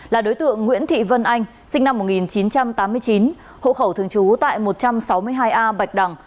là đối tượng nguyễn thị vân anh sinh năm một nghìn chín trăm tám mươi chín hộ khẩu thường trú tại một trăm sáu mươi hai a bạch đằng